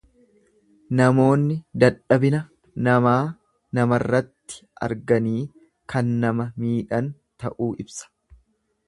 Namoonni dadhabina namaa namarratti arganii kan nama miidhan ta'uu ibsa.